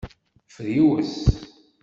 Friwes.